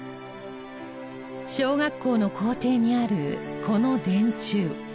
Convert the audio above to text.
小学校の校庭にあるこの電柱。